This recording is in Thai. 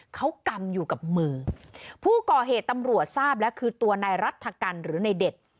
เขากำอยู่กับมือผู้ก่อเหตุตำรวจทราบแล้วคือตัวนายรัฐกันหรือในเด็ด